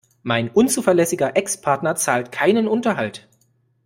Mein unzuverlässiger Ex-Partner zahlt keinen Unterhalt.